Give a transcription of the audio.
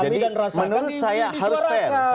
jadi menurut saya harus fair